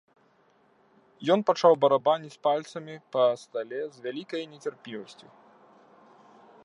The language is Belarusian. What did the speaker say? Ён пачаў барабаніць пальцамі па стале з вялікай нецярплівасцю.